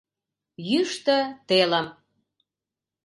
Йӱштӧ телым